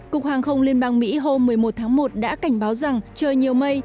cục hàng không liên bang mỹ hôm một mươi một tháng một đã cảnh báo rằng trời nhiều mây